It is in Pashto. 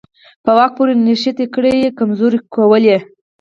په واک پورې نښتې کړۍ یې کمزورې کولې.